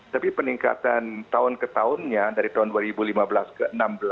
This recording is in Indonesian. tapi peningkatan tahun ke tahunnya dari tahun dua ribu lima belas ke enam belas